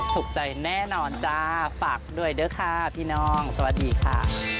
ถูกใจแน่นอนจ้าฝากด้วยเด้อค่ะพี่น้องสวัสดีค่ะ